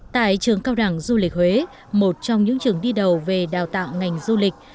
tại trường cao đẳng du lịch huế một trong những trường đi đầu về đào tạo ngành du lịch